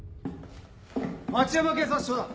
町山警察署だ！